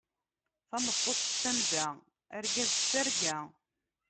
Tameṭṭut d tamda, argaz d targa.